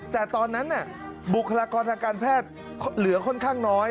แต่ตอนนั้นบุคลากรทางการแพทย์เหลือค่อนข้างน้อย